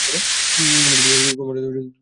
মসজিদের বয়স খুব কম হলেও দু, শ বছরের কম হবে না।